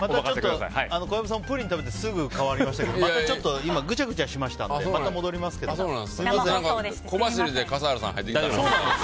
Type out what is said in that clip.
小籔さん、プリン食べてすぐ変わりましたけど今、ぐちゃぐちゃしましたのでまた戻りますけども小走りで笠原さんが入ってきたから。